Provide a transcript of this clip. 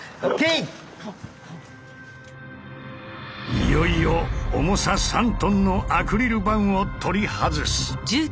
いよいよ重さ３ｔのアクリル板を取り外す。